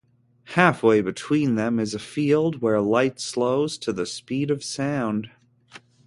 Halfway between them is a field where light slows to the speed of sound.